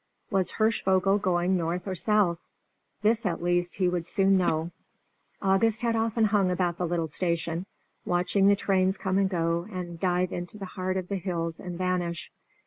Was Hirschvogel going north or south? This at least he would soon know. August had often hung about the little station, watching the trains come and go and dive into the heart of the hills and vanish.